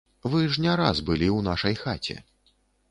Вы ж не раз былі ў нашай хаце.